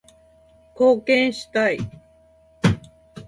貢献したい